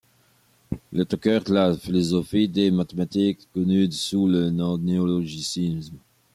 Il est au cœur de la philosophie des mathématiques connues sous le nom néo-logicisme.